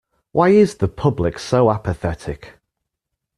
Why is the public so apathetic?